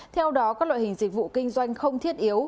theo đó các loại hình dịch vụ kinh doanh không thiết yếu